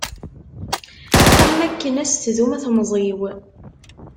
Am akken ad s-tdum temẓi-w.